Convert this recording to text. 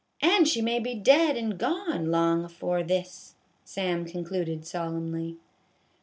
"And she may be dead and gone long afore this," Sam concluded solemnly.